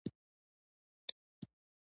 ناسمې جملې مه ليکئ!